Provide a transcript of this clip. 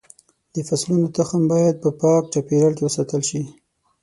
د فصلونو تخم باید په پاک چاپېریال کې وساتل شي.